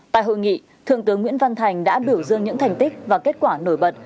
tại hội nghị thượng tướng nguyễn văn thành đã biểu dương những thành tích và kết quả nổi bật